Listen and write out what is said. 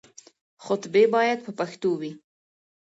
خطبې بايد په پښتو وي.